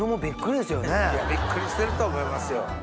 びっくりしてると思いますよ。